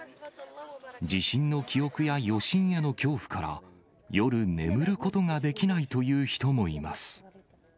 地震の記憶や余震への恐怖から、夜眠ることができないという人もいます。